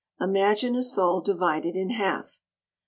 Imagine a soul divided in half.